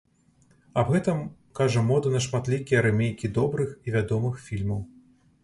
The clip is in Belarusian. Аб гэтым кажа мода на шматлікія рымейкі добрых і вядомых фільмаў.